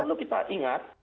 kalau kita ingat